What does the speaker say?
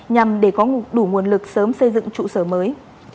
nhằm để có đủ nguồn lực sớm xây dựng trụ sở mới